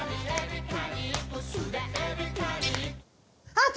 あっ！